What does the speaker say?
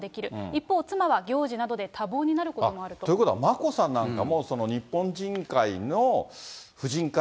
一方、妻は行事などで多忙になることもあると。ということは、眞子さんなんかも、日本人会の夫人会？